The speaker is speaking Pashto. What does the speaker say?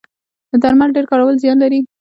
د درملو ډیر کارول زیان لري